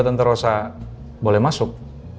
tentara rossa boleh masuk